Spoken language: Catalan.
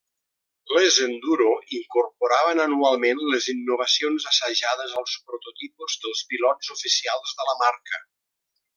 Les Enduro incorporaven anualment les innovacions assajades als prototipus dels pilots oficials de la marca.